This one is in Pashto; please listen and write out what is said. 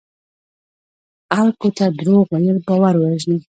خلکو ته دروغ ویل باور وژني.